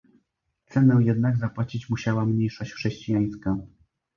Cenę jednak zapłacić musiała mniejszość chrześcijańska